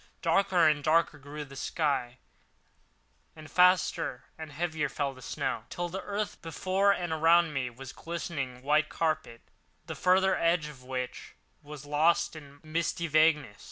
Darker and darker grew the sky, and faster and heavier fell the snow, till the earth before and around me was a glistening white carpet the further edge of which was lost in misty vagueness.